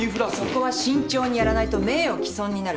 そこは慎重にやらないと名誉棄損になる。